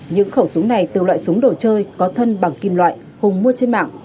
những khẩu súng này từ loại súng đồ chơi có thân bằng kim loại hùng mua trên mạng